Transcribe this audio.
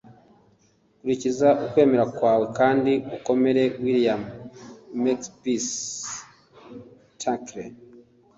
kurikiza ukwemera kwawe kandi ukomere. - william makepeace thackeray